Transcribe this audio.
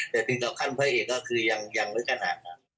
แต่ถึงขั้นพระเอกก็คือยังไม่ขนาด